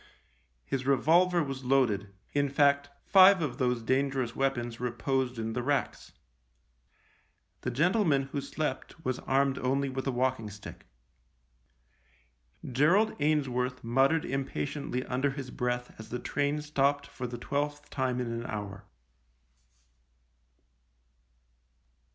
His revolver was loaded — in fact, five of those dangerous weapons reposed in the racks. The gentle THE LIEUTENANT 7 man who slept was armed only with a walking stick. ... Gerald Ainsworth muttered impatiently under his breath as the train stopped for the twelfth time in an hour.